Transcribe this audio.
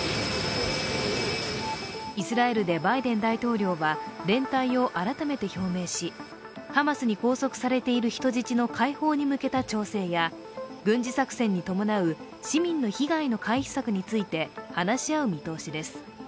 イスラエルでバイデン大統領は、連帯を改めて表明し、ハマスに拘束されている人質の解放に向けた調整や軍事作戦に伴う市民の被害の回避策について話し合う見通しです。